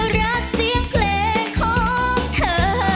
รักเสียงเพลงของเธอ